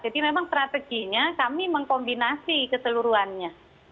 jadi memang strateginya kami mengkombinasi keseluruhannya